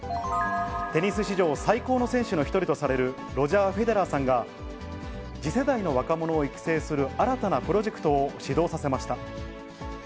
テニス史上、最高の選手の一人とされるロジャー・フェデラーさんが、次世代の若者を育成する新たなプロジェクトを始動させました。